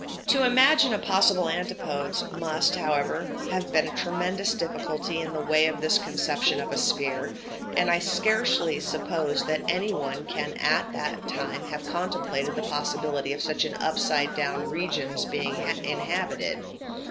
To imagine a possible antipodes must, however, have been a tremendous difficulty in the way of this conception of a sphere, and I scarcely suppose that any one can at that time have contemplated the possibility of such upside down regions being inhabited.